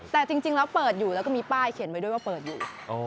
แต่จริงแล้วเปิดอยู่แล้วก็มีป้ายเขียนไว้ด้วยว่าเปิดอยู่